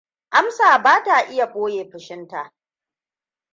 Amsa ba ta iya ɓoye fushinta.